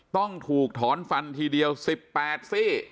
ต้องถูกถอนฟันทีเดียวสิบแปดซี่